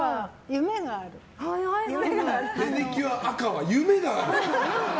ペディキュア赤は夢がある。